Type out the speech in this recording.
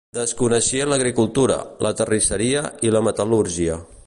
Desconeixien l'agricultura, la terrisseria i la metal·lúrgia.